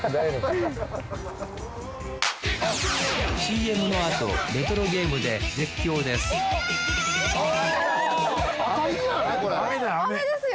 ＣＭのあとレトロゲームで絶叫ですよっしゃ！